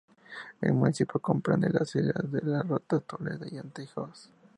El municipio comprende las islas: de las Ratas, Toledo, y Anteojos.